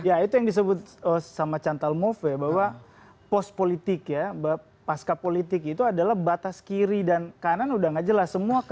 ya itu yang disebut sama cantal move bahwa pos politik ya pasca politik itu adalah batas kiri dan kanan udah nggak jelas